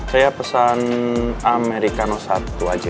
saya pesen americano satu aja